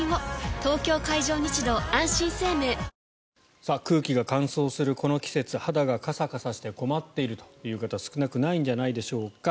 東京海上日動あんしん生命空気が乾燥するこの季節肌がカサカサして困っているという方少なくないんじゃないでしょうか。